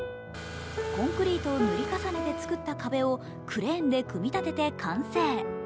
コンクリートを塗り重ねて作った壁をクレーンで組み立てて完成。